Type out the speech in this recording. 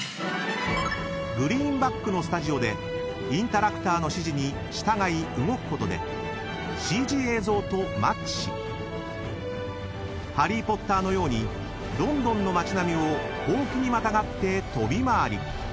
［グリーンバックのスタジオでインタラクターの指示に従い動くことでＣＧ映像とマッチしハリー・ポッターのようにロンドンの街並みを箒にまたがって飛び回り